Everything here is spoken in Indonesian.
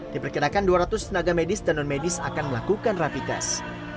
diperkirakan dua ratus tenaga medis dan non medis akan melakukan rapid test